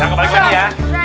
jangan kebalik lagi ya